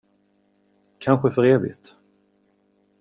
Kanske för evigt.